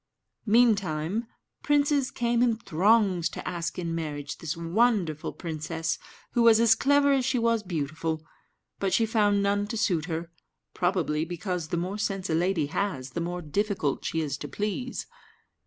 Meantime, princes came in throngs to ask in marriage this wonderful princess, who was as clever as she was beautiful; but she found none to suit her, probably because the more sense a lady has, the more difficult she is to please.